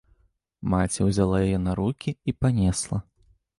Маці ўзяла яе на рукі і панесла.